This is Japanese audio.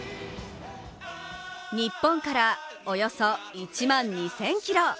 日本からおよそ１万２０００ｋｍ。